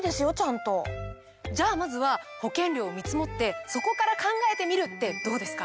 じゃあまずは保険料を見積ってそこから考えてみるってどうですか？